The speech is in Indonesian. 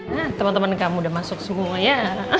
nah teman teman kamu udah masuk semua ya